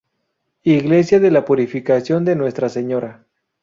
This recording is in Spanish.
Iglesia de la Purificación de Nuestra Señora.